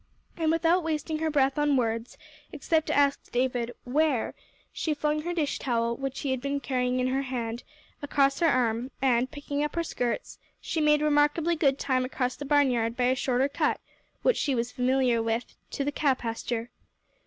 And without wasting her breath on words, except to ask David, "Where?" she flung her dish towel, which she had been carrying in her hand, across her arm, and picking up her skirts, she made remarkably good time across the barnyard by a shorter cut, which she was familiar with, to the cow pasture.